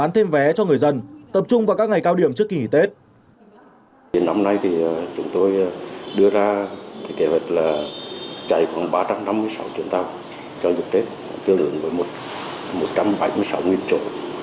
kế hoạch là chạy khoảng ba trăm năm mươi sáu chuyến tàu cho dựng tết tương đương với một trăm bảy mươi sáu nguyên chỗ